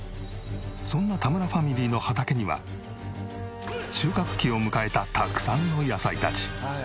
そんな田村ファミリーの畑には収穫期を迎えたたくさんの野菜たち。